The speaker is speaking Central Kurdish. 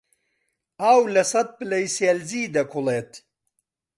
ئاو لە سەد پلەی سیلیزی دەکوڵێت.